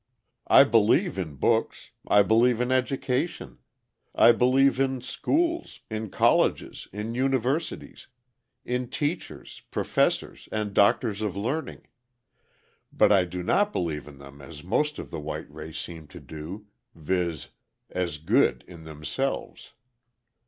I believe in books; I believe in education; I believe in schools, in colleges, in universities, in teachers, professors, and doctors of learning; but I do not believe in them as most of the white race seem to do, viz., as good in themselves.